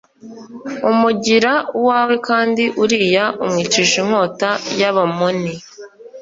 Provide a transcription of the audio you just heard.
umugira uwawe, kandi Uriya umwicisha inkota y’Abamoni.